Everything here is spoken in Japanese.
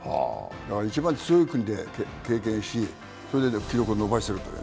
だから一番強い国で経験し、記録を伸ばしているという。